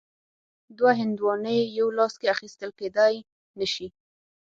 دوه هندواڼې یو لاس کې اخیستل کیدای نه شي.